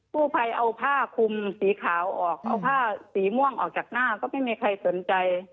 ผู้ภัยเอาผ้าคุมสีขาวออกเอาผ้าสีม่วงออกจากหน้าก็ไม่มีใครสนใจ